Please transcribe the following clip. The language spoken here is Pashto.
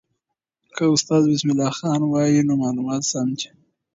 که استاد بسم الله خان وایي، نو معلومات سم دي.